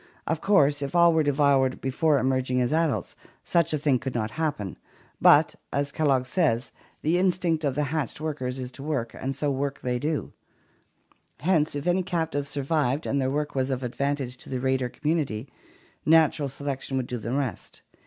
Of course if all were devoured be fore emerging as adults, such a thing could not happen, but, as Kellogg says, the instinct of the hatched workers is to work, and so work they do; hence if any captives survived and their work was of advantage to the raider community, natural selection would do the rest.